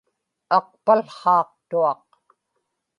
aqpałhaaqtuaq